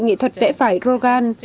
nghệ thuật vẽ vải rogan